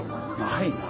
ないな。